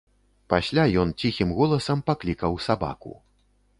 Пасля ён ціхім голасам паклікаў сабаку.